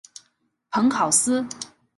蓬考斯。